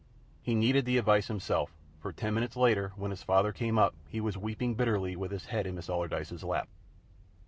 He needed the advice himself, for ten minutes later, when his father came up, he was weeping bitterly with his head in Miss Allardyce's lap.